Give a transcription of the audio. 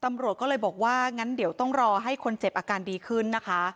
ตำรวจก็เลยบอกว่างั้นเดี๋ยวต้องรอให้คนเจ็บอาการดีขึ้นนะคะ